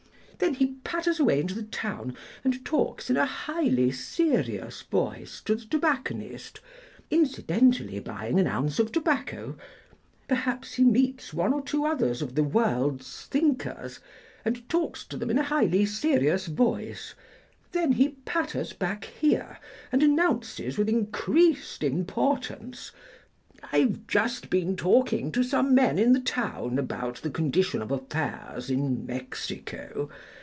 Then he patters away into the town, and talks in a highly serious voice to the tobacconist, incidentally buying an ounce of tobacco; perhaps he meets one or two others of the world's thinkers and talks to them in a highly serious voice, then he patters back here and announces with increased importance, 'I've just been talking to some men in the town about the condition of affairs in Mexico.